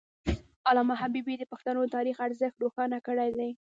علامه حبيبي د پښتنو د تاریخ ارزښت روښانه کړی دی.